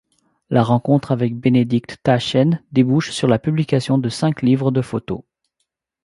La rencontre avec Benedikt Taschen débouche sur la publication de cinq livres de photos.